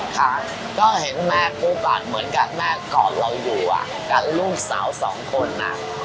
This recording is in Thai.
ค่ะก็เห็นแม่คู่ก่อนเหมือนกับแม่ก่อนเราอยู่กับลูกสาวสองคน